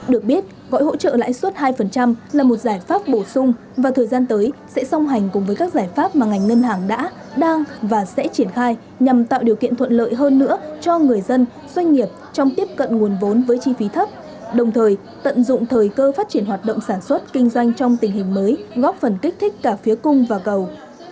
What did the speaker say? được biết gọi hỗ trợ lãi suất hai là một giải pháp bổ sung và thời gian tới sẽ song hành cùng với các giải pháp mà ngành ngân hàng đã đang và sẽ triển khai nhằm tạo điều kiện thuận lợi hơn nữa cho người dân doanh nghiệp trong tiếp cận nguồn vốn với chi phí thấp đồng thời tận dụng thời cơ phát triển hoạt động sản xuất kinh doanh trong tình hình mới góp phần kích thích cả phía cung và cầu